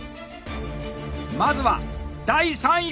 まずは第３位！